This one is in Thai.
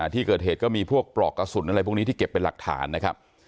ที่เกิดเหตุก็มีพวกปลอกกระสุนอะไรพวกนี้ที่เก็บเป็นหลักฐานนะครับ